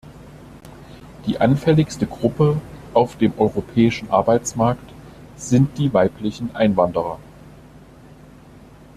Die anfälligste Gruppe auf dem europäischen Arbeitsmarkt sind die weiblichen Einwanderer.